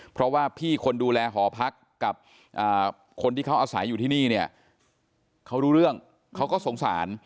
เพราะว่าพี่คนดูแลหอพักกับคนที่เขาอาศัยอยู่ที่นี่เนี่ยเขารู้เรื่องเขาก็สงสาร